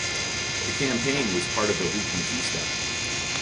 The campaign was part of the Reconquista.